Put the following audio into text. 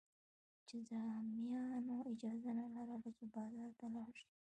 جذامیانو اجازه نه لرله چې بازار ته لاړ شي.